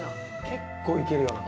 結構いけるよな。